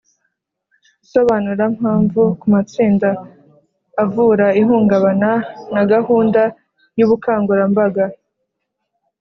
Isobanurampamvu ku matsinda avura ihungabana na gahunda y ubukangurambaga